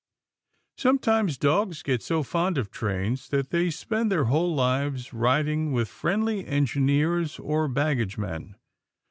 Sometimes dogs get so fond of trains that they spend their whole lives riding with friendly engineers or baggagemen.